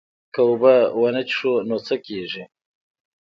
که اوبه ونه څښو نو څه کیږي